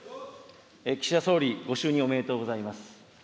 岸田総理、ご就任おめでとうございます。